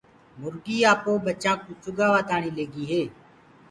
مُرگي آپو جآ ٻچآ ڪوُ چگآوآ تآڻي ليگي هي۔